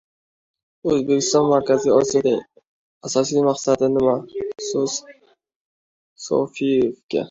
O‘zbekistonning Markaziy Osiyodagi asosiy maqsadi nima? So‘z Safoyevga